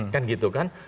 kan gitu kan